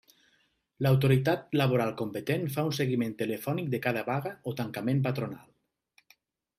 L'autoritat laboral competent fa un seguiment telefònic de cada vaga o tancament patronal.